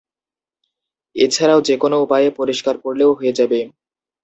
এছাড়াও যে কোনো উপায়ে পরিষ্কার করলেও হয়ে যাবে।